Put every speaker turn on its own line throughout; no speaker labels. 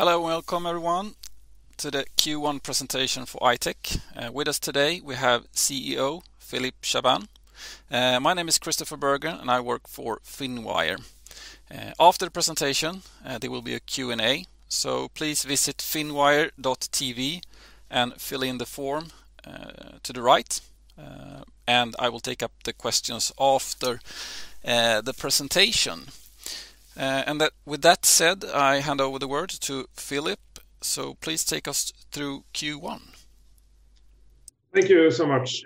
Hello and welcome, everyone, to the Q1 presentation for I-Tech. With us today, we have CEO Philip Chaabane. My name is Christopher Berger, and I work for Finwire. After the presentation, there will be a Q&A, so please visit finwire.tv and fill in the form to the right, and I will take up the questions after the presentation. And with that said, I hand over the word to Philip, so please take us through Q1.
Thank you so much.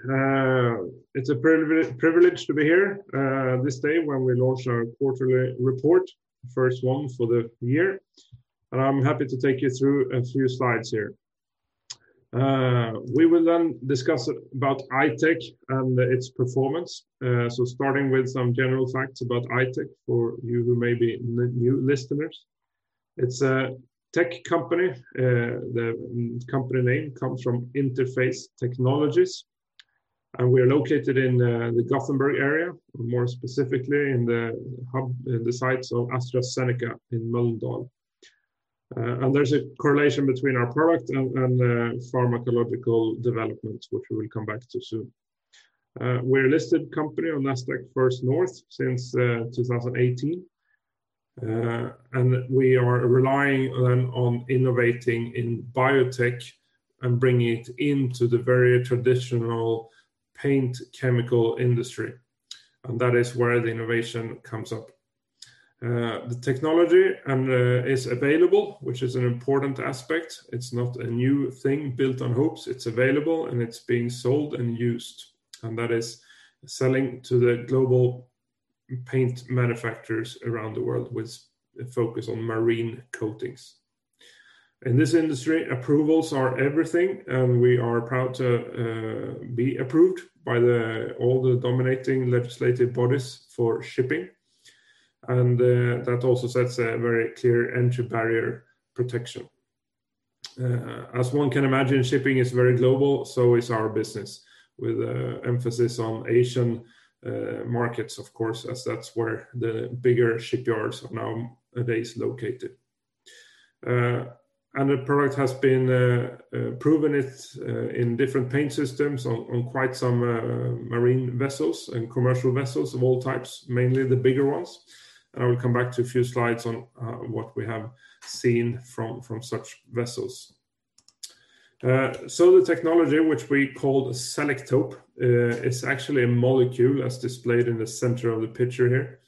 It's a privilege to be here this day when we launch our quarterly report, the first one for the year, and I'm happy to take you through a few slides here. We will then discuss about I-Tech and its performance, so starting with some general facts about I-Tech for you who may be new listeners. It's a tech company. The company name comes from Interface Technologies, and we are located in the Gothenburg area, more specifically in the hub, in the sites of AstraZeneca in Mölndal, and there's a correlation between our product and pharmacological development, which we will come back to soon. We're a listed company on Nasdaq First North since 2018, and we are relying then on innovating in biotech and bringing it into the very traditional paint chemical industry, and that is where the innovation comes up. The technology is available, which is an important aspect. It's not a new thing built on hopes. It's available, and it's being sold and used, and that is selling to the global paint manufacturers around the world with a focus on marine coatings. In this industry, approvals are everything, and we are proud to be approved by all the dominating legislative bodies for shipping, and that also sets a very clear entry barrier protection. As one can imagine, shipping is very global, so is our business, with an emphasis on Asian markets, of course, as that's where the bigger shipyards are nowadays located, and the product has been proving it in different paint systems on quite some marine vessels and commercial vessels of all types, mainly the bigger ones, and I will come back to a few slides on what we have seen from such vessels. So the technology, which we called Selektope, is actually a molecule, as displayed in the center of the picture here.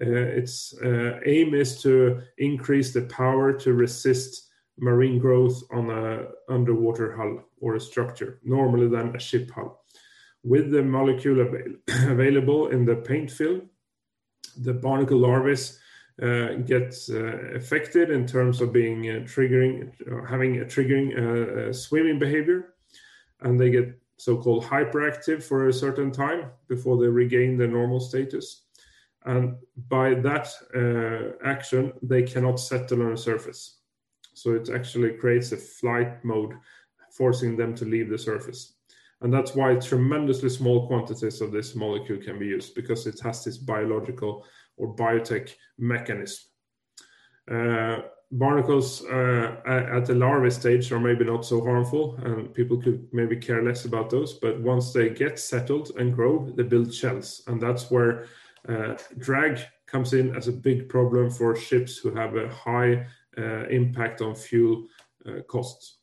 Its aim is to increase the power to resist marine growth on an underwater hull or a structure, normally then a ship hull. With the molecule available in the paint film, the barnacle larvae get affected in terms of having a triggering swimming behavior. And they get so-called hyperactive for a certain time before they regain their normal status. And by that action, they cannot settle on a surface. So it actually creates a flight mode, forcing them to leave the surface. And that's why tremendously small quantities of this molecule can be used, because it has this biological or biotech mechanism. Barnacles at the larval stage are maybe not so harmful, and people could maybe care less about those. But once they get settled and grow, they build shells. That's where drag comes in as a big problem for ships who have a high impact on fuel costs.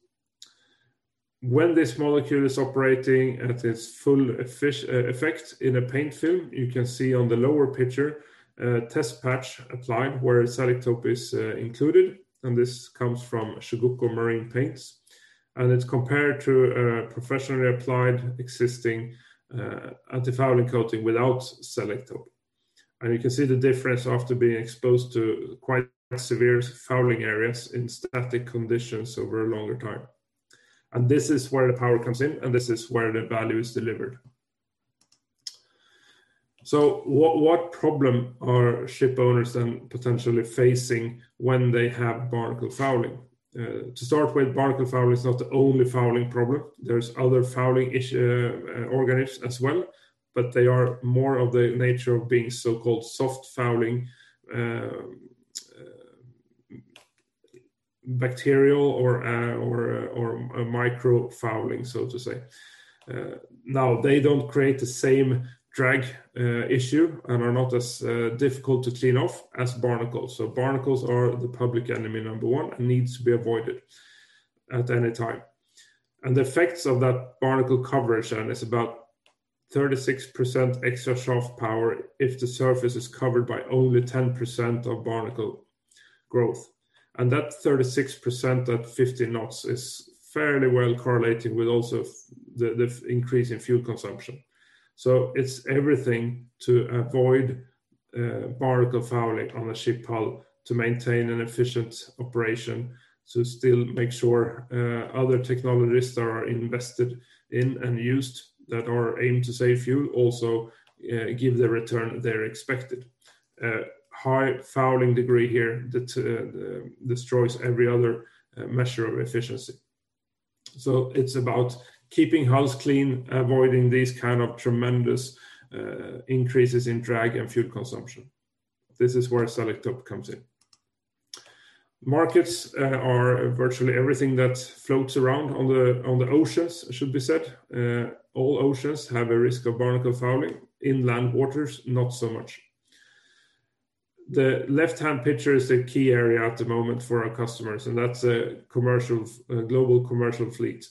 When this molecule is operating at its full effect in a paint film, you can see on the lower picture a test patch applied where Selektope is included. This comes from Chugoku Marine Paints. It's compared to a professionally applied existing antifouling coating without Selektope. You can see the difference after being exposed to quite severe fouling areas in static conditions over a longer time. This is where the power comes in, and this is where the value is delivered. What problem are ship owners then potentially facing when they have barnacle fouling? To start with, barnacle fouling is not the only fouling problem. There are other fouling organisms as well, but they are more of the nature of being so-called soft fouling, bacterial, or microfouling, so to say. Now, they don't create the same drag issue and are not as difficult to clean off as barnacles. So barnacles are the public enemy number one and need to be avoided at any time. And the effects of that barnacle coverage then is about 36% extra shaft power if the surface is covered by only 10% of barnacle growth. And that 36% at 50 knots is fairly well correlating with also the increase in fuel consumption. So it's everything to avoid barnacle fouling on a ship hull to maintain an efficient operation, to still make sure other technologies that are invested in and used that are aimed to save fuel also give the return they're expected. High fouling degree here destroys every other measure of efficiency. So it's about keeping hulls clean, avoiding these kinds of tremendous increases in drag and fuel consumption. This is where Selektope comes in. Markets are virtually everything that floats around on the oceans, should be said. All oceans have a risk of barnacle fouling. Inland waters, not so much. The left-hand picture is the key area at the moment for our customers, and that's a global commercial fleet,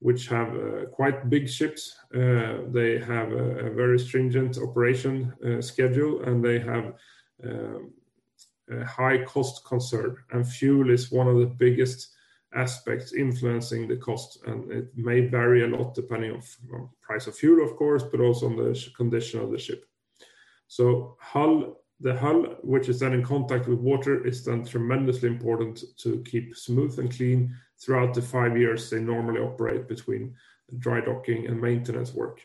which have quite big ships. They have a very stringent operation schedule, and they have a high cost concern. And fuel is one of the biggest aspects influencing the cost, and it may vary a lot depending on the price of fuel, of course, but also on the condition of the ship. So the hull, which is then in contact with water, is then tremendously important to keep smooth and clean throughout the five years they normally operate between dry docking and maintenance work,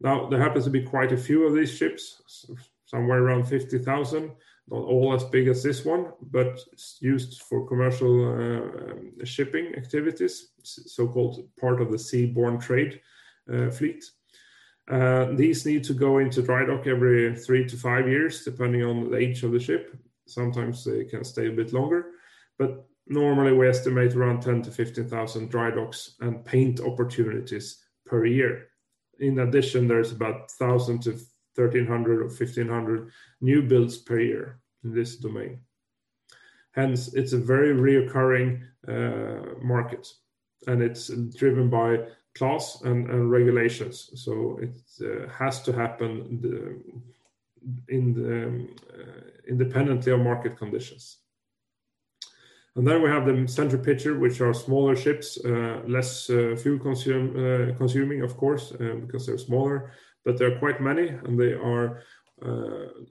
now, there happens to be quite a few of these ships, somewhere around 50,000, not all as big as this one, but used for commercial shipping activities, so-called part of the seaborne trade fleet, these need to go into dry dock every three to five years, depending on the age of the ship, sometimes they can stay a bit longer, but normally, we estimate around 10,000-15,000 dry docks and paint opportunities per year. In addition, there's about 1,000-1,300 or 1,500 new builds per year in this domain. Hence, it's a very recurring market, and it's driven by class and regulations, so it has to happen independently of market conditions. And then we have the center picture, which are smaller ships, less fuel consuming, of course, because they're smaller. But there are quite many, and they are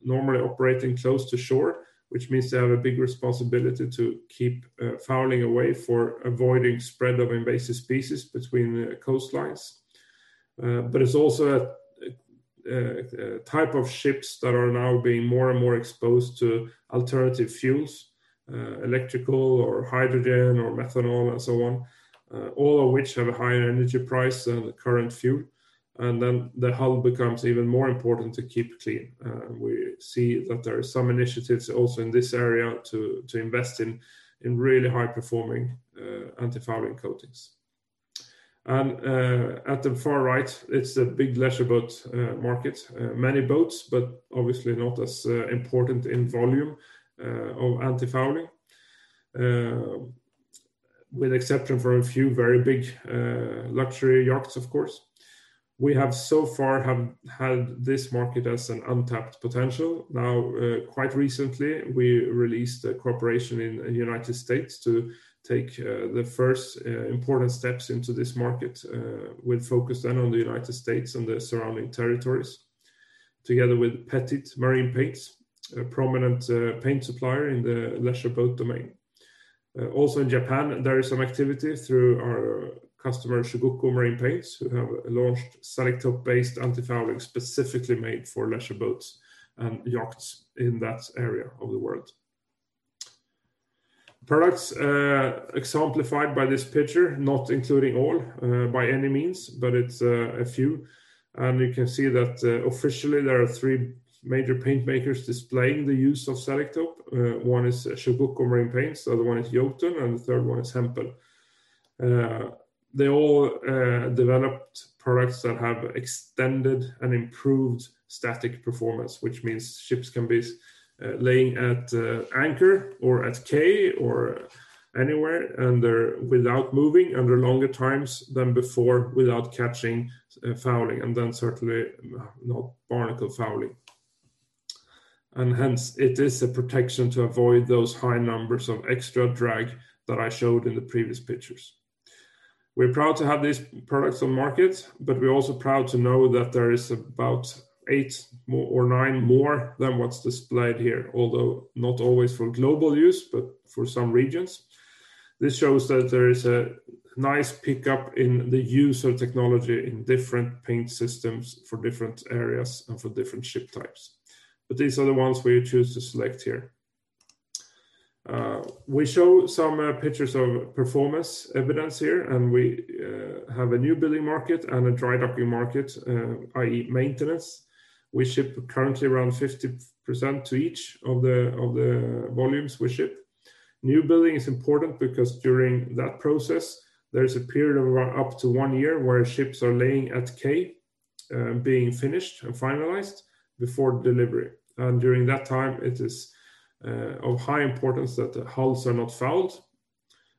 normally operating close to shore, which means they have a big responsibility to keep fouling away for avoiding the spread of invasive species between coastlines. But it's also a type of ships that are now being more and more exposed to alternative fuels, electrical or hydrogen or methanol and so on, all of which have a higher energy price than current fuel. And then the hull becomes even more important to keep clean. We see that there are some initiatives also in this area to invest in really high-performing antifouling coatings. And at the far right, it's the big leisure boat market. Many boats, but obviously not as important in volume of antifouling, with the exception of a few very big luxury yachts, of course. We have so far had this market as an untapped potential. Now, quite recently, we announced a cooperation in the United States to take the first important steps into this market with focus then on the United States and the surrounding territories, together with Pettit Marine Paint, a prominent paint supplier in the leisure boat domain. Also in Japan, there is some activity through our customer, Chugoku Marine Paints, who have launched Selektope-based antifouling specifically made for leisure boats and yachts in that area of the world. Products exemplified by this picture, not including all by any means, but it's a few, and you can see that officially there are three major paint makers displaying the use of Selektope. One is Chugoku Marine Paints, the other one is Jotun, and the third one is Hempel. They all developed products that have extended and improved static performance, which means ships can be laying at anchor or at quay or anywhere without moving under longer times than before, without catching fouling, and then certainly not barnacle fouling. And hence, it is a protection to avoid those high numbers of extra drag that I showed in the previous pictures. We're proud to have these products on market, but we're also proud to know that there is about eight or nine more than what's displayed here, although not always for global use, but for some regions. This shows that there is a nice pickup in the use of technology in different paint systems for different areas and for different ship types. But these are the ones we choose to select here. We show some pictures of performance evidence here, and we have a new building market and a dry docking market, i.e., maintenance. We ship currently around 50% to each of the volumes we ship. New building is important because during that process, there's a period of up to one year where ships are laying at quay, being finished and finalized before delivery. And during that time, it is of high importance that the hulls are not fouled.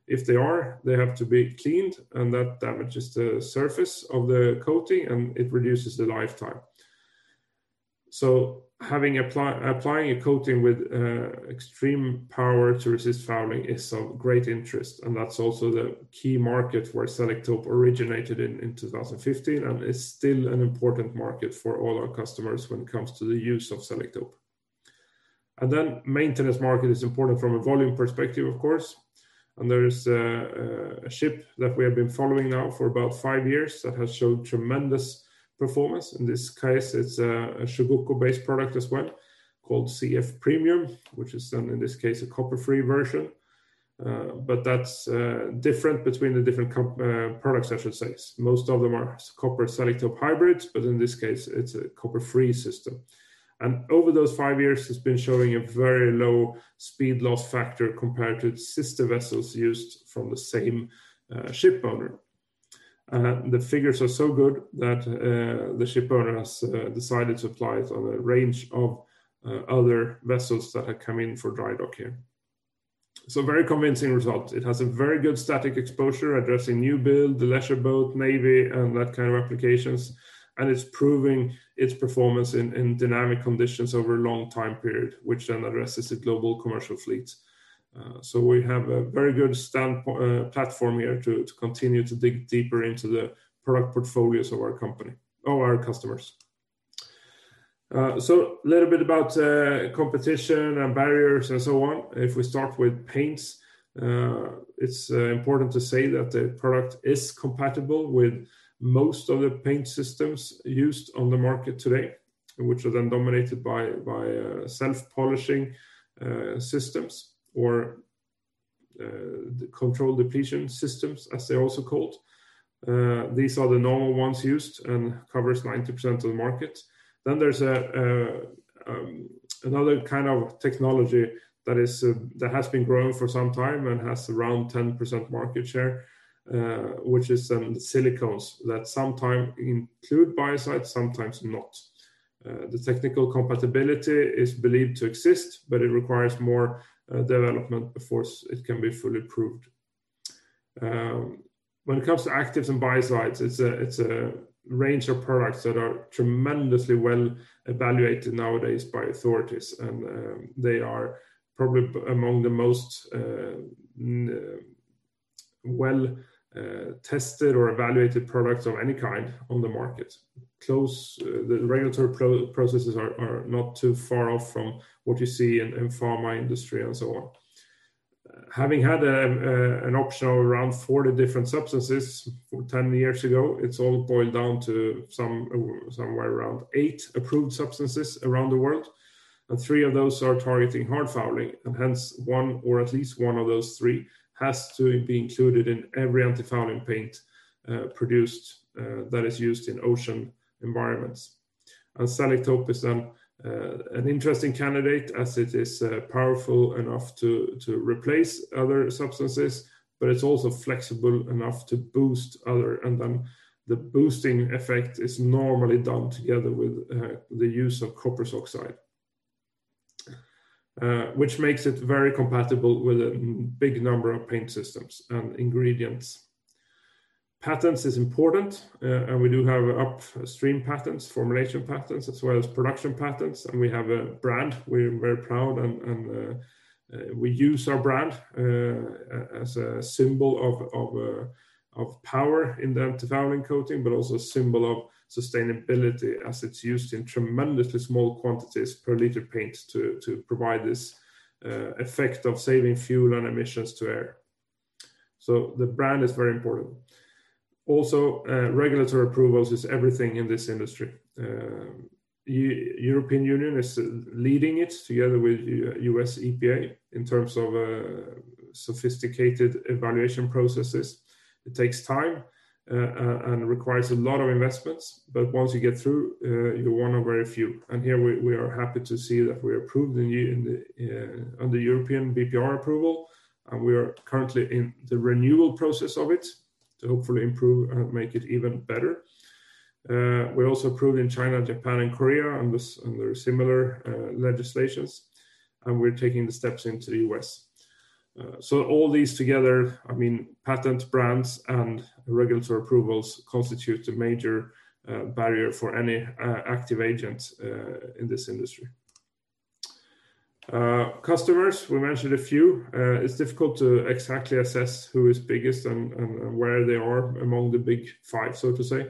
If they are, they have to be cleaned, and that damages the surface of the coating, and it reduces the lifetime. So having applied a coating with extreme power to resist fouling is of great interest. And that's also the key market where Selektope originated in 2015, and it's still an important market for all our customers when it comes to the use of Selektope. And then the maintenance market is important from a volume perspective, of course. And there is a ship that we have been following now for about five years that has shown tremendous performance. In this case, it's a Chugoku-based product as well called CF Premium, which is then in this case a copper-free version. But that's different between the different products, I should say. Most of them are copper-Selektope hybrids, but in this case, it's a copper-free system. And over those five years, it's been showing a very low speed loss factor compared to sister vessels used from the same ship owner. The figures are so good that the ship owner has decided to apply it on a range of other vessels that have come in for dry docking. So very convincing results. It has a very good static performance addressing new build, leisure boat, navy, and that kind of applications, and it's proving its performance in dynamic conditions over a long time period, which then addresses the global commercial fleets, so we have a very good platform here to continue to dig deeper into the product portfolios of our company or our customers, so a little bit about competition and barriers and so on. If we start with paints, it's important to say that the product is compatible with most of the paint systems used on the market today, which are then dominated by self-polishing systems or controlled depletion systems, as they're also called. These are the normal ones used and cover 90% of the market. Then there's another kind of technology that has been growing for some time and has around 10% market share, which is silicones that sometimes include biocides, sometimes not. The technical compatibility is believed to exist, but it requires more development before it can be fully proved. When it comes to actives and biocides, it's a range of products that are tremendously well evaluated nowadays by authorities. And they are probably among the most well-tested or evaluated products of any kind on the market. The regulatory processes are not too far off from what you see in the pharma industry and so on. Having had an option of around 40 different substances 10 years ago, it's all boiled down to somewhere around eight approved substances around the world. And three of those are targeting hard fouling. And hence, one or at least one of those three has to be included in every antifouling paint produced that is used in ocean environments. And Selektope is then an interesting candidate as it is powerful enough to replace other substances, but it's also flexible enough to boost other. And then the boosting effect is normally done together with the use of copper sulfide, which makes it very compatible with a big number of paint systems and ingredients. Patents are important, and we do have upstream patents, formulation patents, as well as production patents. And we have a brand we're very proud of, and we use our brand as a symbol of power in the antifouling coating, but also a symbol of sustainability as it's used in tremendously small quantities per liter paint to provide this effect of saving fuel and emissions to air. So the brand is very important. Also, regulatory approvals are everything in this industry. The European Union is leading it together with U.S. EPA in terms of sophisticated evaluation processes. It takes time and requires a lot of investments, but once you get through, you're one of very few. And here we are happy to see that we are approved under European BPR approval, and we are currently in the renewal process of it to hopefully improve and make it even better. We're also approved in China, Japan, and Korea under similar legislations, and we're taking the steps into the U.S. So all these together, I mean, patents, brands, and regulatory approvals constitute a major barrier for any active agent in this industry. Customers, we mentioned a few. It's difficult to exactly assess who is biggest and where they are among the big five, so to say.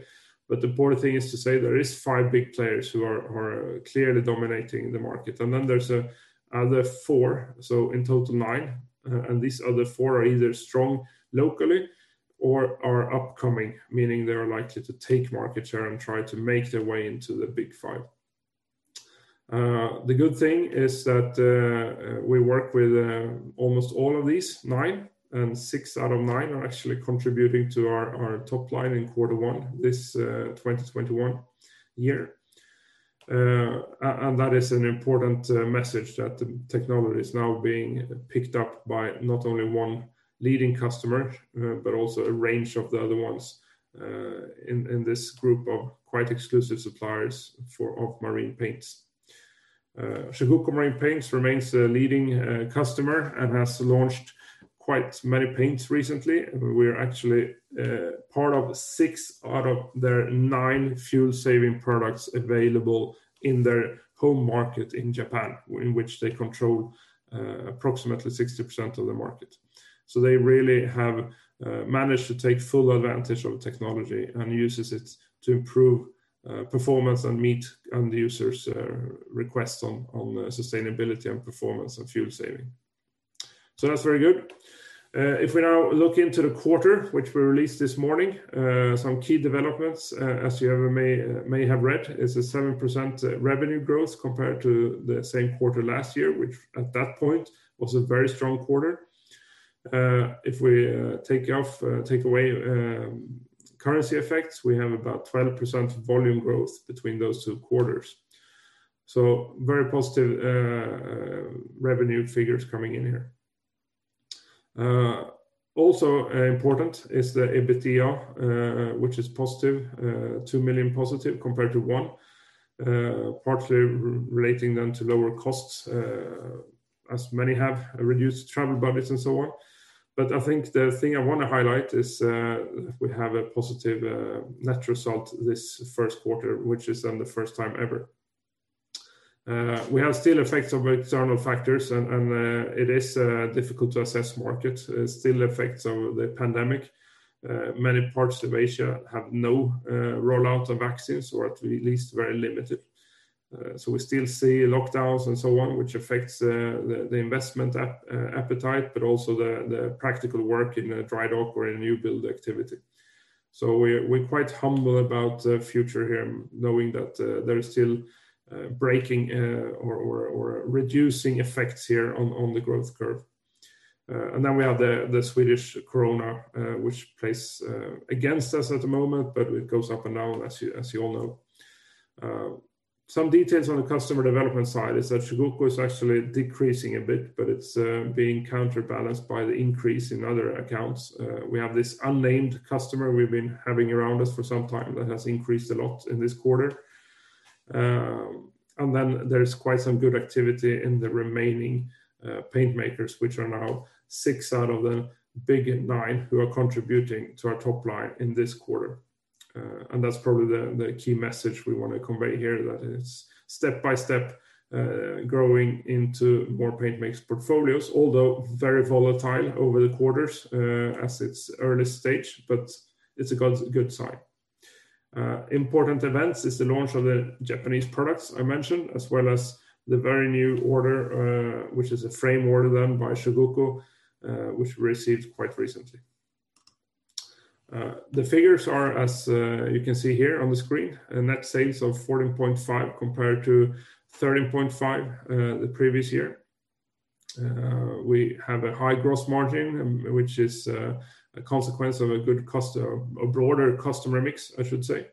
The important thing is to say there are five big players who are clearly dominating the market. Then there's another four, so in total nine. These other four are either strong locally or are upcoming, meaning they are likely to take market share and try to make their way into the big five. The good thing is that we work with almost all of these nine, and six out of nine are actually contributing to our top line in quarter one this 2021 year. That is an important message that the technology is now being picked up by not only one leading customer, but also a range of the other ones in this group of quite exclusive suppliers of marine paints. Chugoku Marine Paints remains a leading customer and has launched quite many paints recently. We are actually part of six out of their nine fuel-saving products available in their home market in Japan, in which they control approximately 60% of the market. So they really have managed to take full advantage of technology and use it to improve performance and meet end-users' requests on sustainability and performance and fuel saving. So that's very good. If we now look into the quarter, which we released this morning, some key developments, as you may have read, is a 7% revenue growth compared to the same quarter last year, which at that point was a very strong quarter. If we take away currency effects, we have about 12% volume growth between those two quarters. So very positive revenue figures coming in here. Also important is the EBITDA, which is positive, two million positive compared to one, partially relating then to lower costs, as many have reduced travel budgets and so on. But I think the thing I want to highlight is we have a positive net result this first quarter, which is then the first time ever. We have still effects of external factors, and it is difficult to assess markets. It's still effects of the pandemic. Many parts of Asia have no rollout of vaccines or at least very limited. So we still see lockdowns and so on, which affects the investment appetite, but also the practical work in the dry dock or in new build activity. So we're quite humble about the future here, knowing that there are still braking or reducing effects here on the growth curve. Then we have the Swedish krona, which plays against us at the moment, but it goes up and down, as you all know. Some details on the customer development side is that Chugoku is actually decreasing a bit, but it's being counterbalanced by the increase in other accounts. We have this unnamed customer we've been having around us for some time that has increased a lot in this quarter. And then there's quite some good activity in the remaining paint makers, which are now six out of the big nine who are contributing to our top line in this quarter. And that's probably the key message we want to convey here, that it's step by step growing into more paint makers' portfolios, although very volatile over the quarters as it's early stage, but it's a good sign. Important events is the launch of the Japanese products I mentioned, as well as the very new order, which is a frame order done by Chugoku, which we received quite recently. The figures are, as you can see here on the screen, net sales of 14.5 compared to 13.5 the previous year. We have a high gross margin, which is a consequence of a broader customer mix, I should say,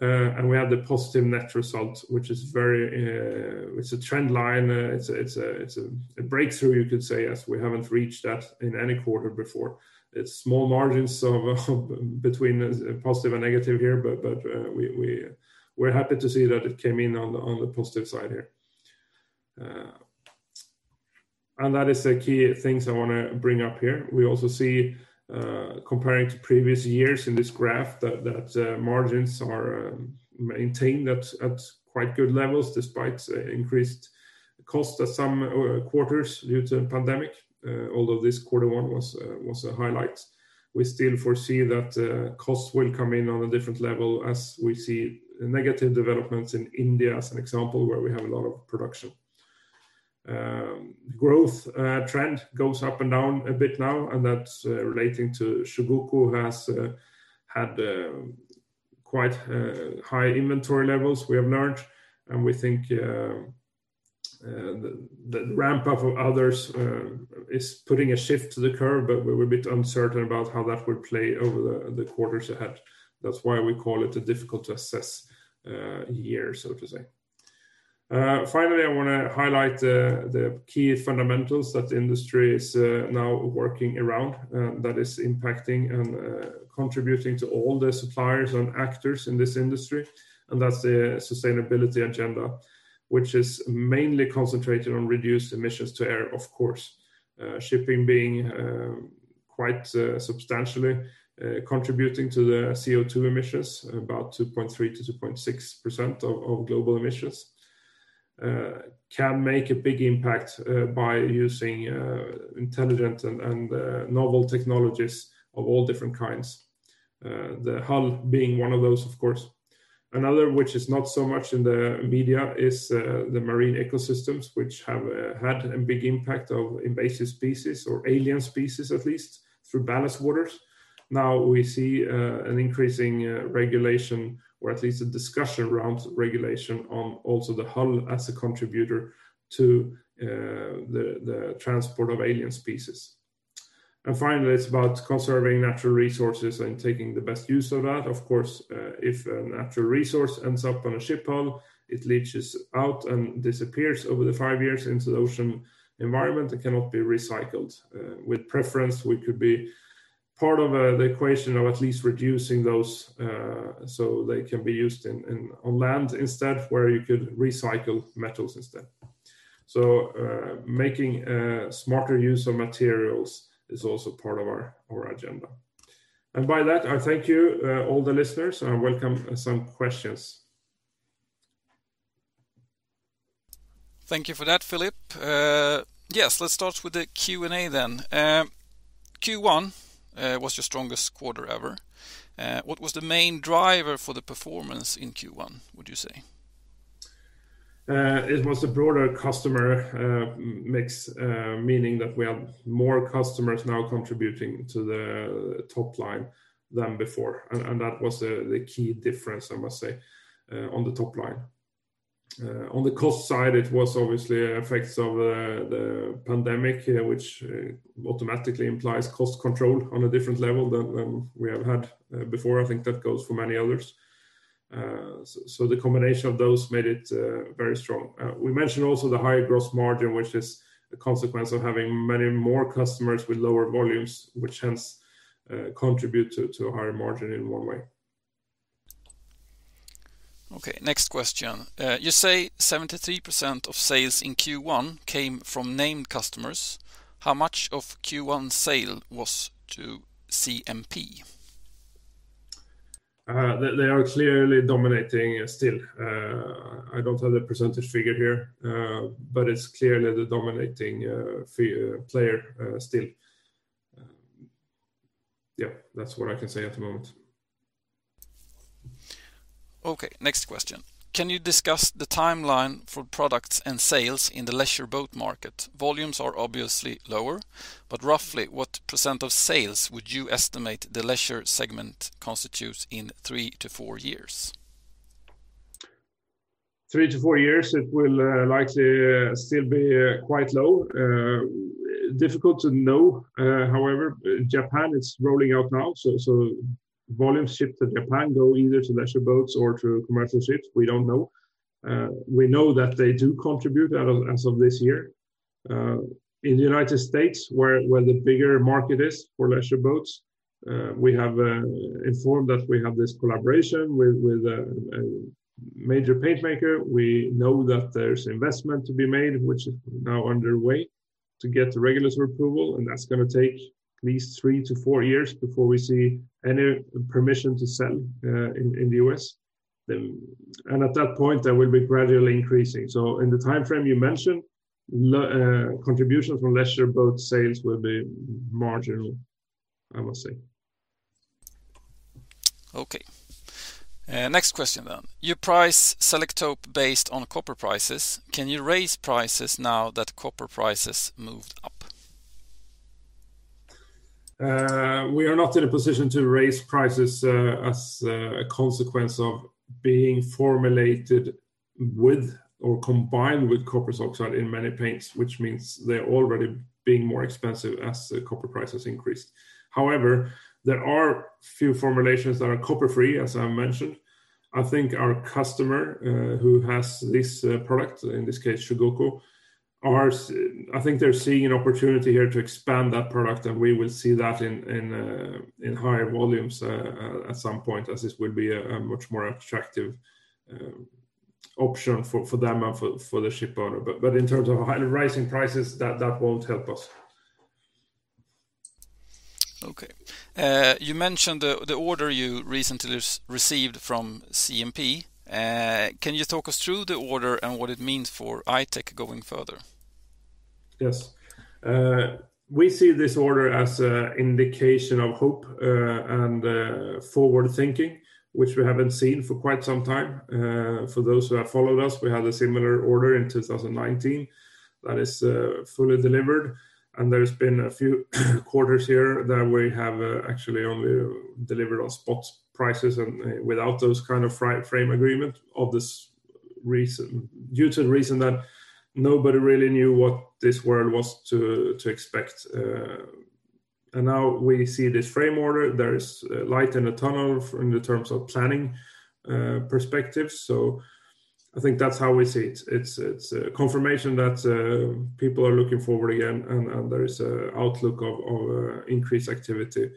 and we have the positive net result, which is very. It's a trend line. It's a breakthrough, you could say, as we haven't reached that in any quarter before. It's small margins between positive and negative here, but we're happy to see that it came in on the positive side here, and that is the key things I want to bring up here. We also see, comparing to previous years in this graph, that margins are maintained at quite good levels despite increased costs at some quarters due to the pandemic. Although this quarter one was a highlight, we still foresee that costs will come in on a different level as we see negative developments in India, as an example, where we have a lot of production. The growth trend goes up and down a bit now, and that's relating to Chugoku has had quite high inventory levels, we have learned. And we think the ramp-up of others is putting a shift to the curve, but we're a bit uncertain about how that would play over the quarters ahead. That's why we call it a difficult-to-assess year, so to say. Finally, I want to highlight the key fundamentals that the industry is now working around that is impacting and contributing to all the suppliers and actors in this industry, and that's the sustainability agenda, which is mainly concentrated on reduced emissions to air, of course. Shipping being quite substantially contributing to the CO2 emissions, about 2.3%-2.6% of global emissions, can make a big impact by using intelligent and novel technologies of all different kinds. The hull being one of those, of course. Another, which is not so much in the media, is the marine ecosystems, which have had a big impact of invasive species or alien species, at least through ballast waters. Now we see an increasing regulation, or at least a discussion around regulation on also the hull as a contributor to the transport of alien species. And finally, it's about conserving natural resources and taking the best use of that. Of course, if a natural resource ends up on a ship hull, it leaches out and disappears over the five years into the ocean environment and cannot be recycled. With preference, we could be part of the equation of at least reducing those so they can be used on land instead, where you could recycle metals instead. So making a smarter use of materials is also part of our agenda. And by that, I thank you, all the listeners, and I welcome some questions.
Thank you for that, Philip. Yes, let's start with the Q&A then. Q1 was your strongest quarter ever. What was the main driver for the performance in Q1, would you say?
It was a broader customer mix, meaning that we had more customers now contributing to the top line than before. That was the key difference, I must say, on the top line. On the cost side, it was obviously effects of the pandemic, which automatically implies cost control on a different level than we have had before. I think that goes for many others. So the combination of those made it very strong. We mentioned also the higher gross margin, which is a consequence of having many more customers with lower volumes, which hence contributes to a higher margin in one way.
Okay, next question. You say 73% of sales in Q1 came from named customers. How much of Q1 sale was to CMP?
They are clearly dominating still. I don't have the percentage figure here, but it's clearly the dominating player still. Yeah, that's what I can say at the moment.
Okay, next question. Can you discuss the timeline for products and sales in the leisure boat market? Volumes are obviously lower, but roughly what % of sales would you estimate the leisure segment constitutes in three to four years?
Three to four years, it will likely still be quite low. Difficult to know, however. Japan is rolling out now, so volumes shipped to Japan go either to leisure boats or to commercial ships. We don't know. We know that they do contribute as of this year. In the United States, where the bigger market is for leisure boats, we have informed that we have this collaboration with a major paint maker. We know that there's investment to be made, which is now underway to get the regulatory approval, and that's going to take at least three to four years before we see any permission to sell in the U.S., and at that point, that will be gradually increasing. So in the timeframe you mentioned, contributions from leisure boat sales will be marginal, I must say.
Okay. Next question then. You price Selektope based on copper prices. Can you raise prices now that copper prices moved up?
We are not in a position to raise prices as a consequence of being formulated with or combined with copper sulfide in many paints, which means they're already being more expensive as the copper prices increase. However, there are few formulations that are copper-free, as I mentioned. I think our customer who has this product, in this case, Chugoku, I think they're seeing an opportunity here to expand that product, and we will see that in higher volumes at some point, as this will be a much more attractive option for them and for the ship owner. But in terms of rising prices, that won't help us. Okay.
You mentioned the order you recently received from CMP. Can you talk us through the order and what it means for I-Tech going further?
Yes. We see this order as an indication of hope and forward-thinking, which we haven't seen for quite some time. For those who have followed us, we had a similar order in 2019 that is fully delivered. And there's been a few quarters here that we have actually only delivered on spot prices and without those kind of frame agreements due to the reason that nobody really knew what this world was to expect. And now we see this frame order. There's light in the tunnel in terms of planning perspectives. So I think that's how we see it. It's a confirmation that people are looking forward again, and there is an outlook of increased activity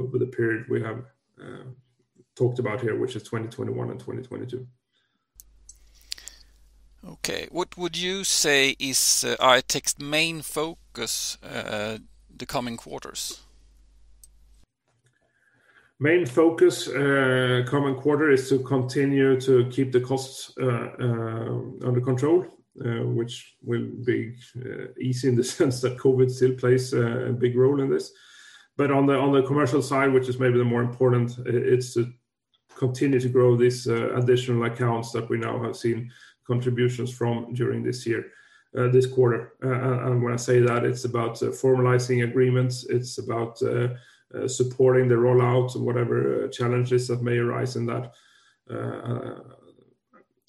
over the period we have talked about here, which is 2021 and 2022.
Okay. What would you say is I-Tech's main focus the coming quarters?
Main focus coming quarter is to continue to keep the costs under control, which will be easy in the sense that COVID still plays a big role in this. But on the commercial side, which is maybe the more important, it's to continue to grow these additional accounts that we now have seen contributions from during this year, this quarter. And when I say that, it's about formalizing agreements. It's about supporting the rollouts and whatever challenges that may arise in that.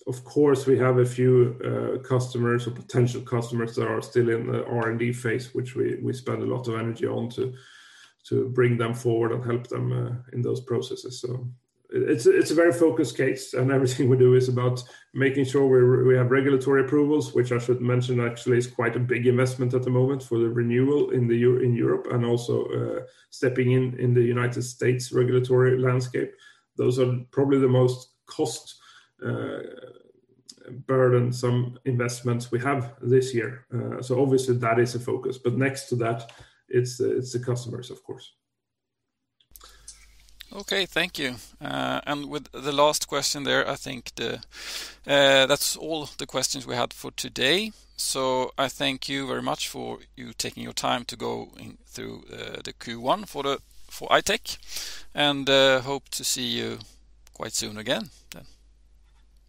Of course, we have a few customers or potential customers that are still in the R&D phase, which we spend a lot of energy on to bring them forward and help them in those processes. So it's a very focused case, and everything we do is about making sure we have regulatory approvals, which I should mention, actually, is quite a big investment at the moment for the renewal in Europe and also stepping in the United States regulatory landscape. Those are probably the most cost-burdened investments we have this year. So obviously, that is a focus. But next to that, it's the customers, of course.
Okay, thank you. And with the last question there, I think that's all the questions we had for today. So I thank you very much for you taking your time to go through the Q1 for I-Tech, and hope to see you quite soon again then.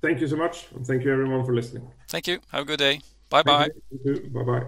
Thank you so much, and thank you everyone for listening.
Thank you. Have a good day. Bye-bye.
You too. Bye-bye.